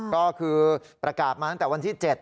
ก็คือประกาศมาตั้งแต่วันที่๗